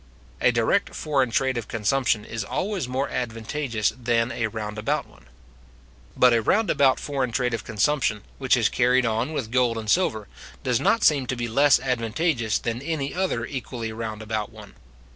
A direct foreign trade of consumption is always more advantageous than a round about one. But a round about foreign trade of consumption, which is carried on with gold and silver, does not seem to be less advantageous than any other equally round about one.